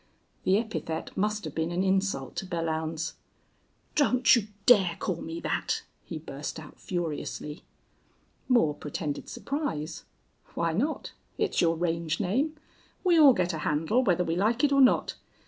The epithet must have been an insult to Belllounds. "Don't you dare call me that," he burst out, furiously. Moore pretended surprise. "Why not? It's your range name. We all get a handle, whether we like it or not.